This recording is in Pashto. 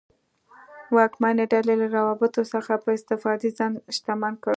واکمنې ډلې له روابطو څخه په استفادې ځان شتمن کړ.